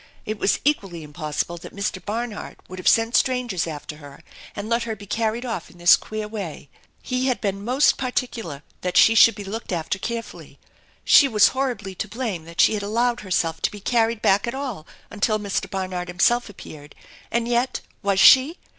It was equally im possible that Mr. Barnard would have sent strangers after her and let her be carried off in this queer way. He had been most THE ENCHANTED BARN 251 particular that she should be looked after carefully. She was horribly to blame that she had allowed herself to be carried back at all until Mr. Barnard himself appeared ; and yet, was she?